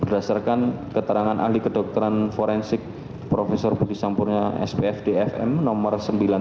berdasarkan keterangan ahli kedokteran forensik prof budi sampurnya spf dfm nomor sembilan lima belas